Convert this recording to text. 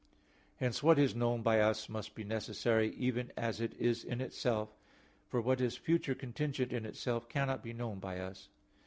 Hence what is known by us must be necessary, even as it is in itself; for what is future contingent in itself, cannot be known by us.